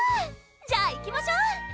じゃあいきましょう！